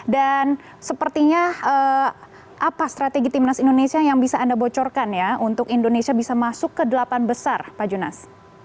dan sepertinya apa strategi timnas indonesia yang bisa anda bocorkan ya untuk indonesia bisa masuk ke delapan besar pak junas